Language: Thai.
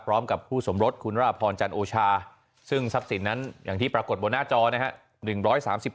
พร้อมกับคู่สมรสคุณราพรจันโอชาซึ่งทรัพย์สินนั้นอย่างที่ปรากฏบนหน้าจอนะครับ